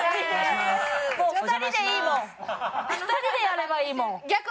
２人でやればいいもん。